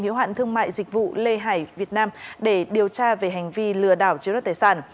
hiếu hạn thương mại dịch vụ lê hải việt nam để điều tra về hành vi lừa đảo chiếm đoạt tài sản